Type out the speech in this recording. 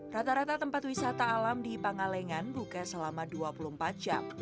rata rata tempat wisata alam di pangalengan buka selama dua puluh empat jam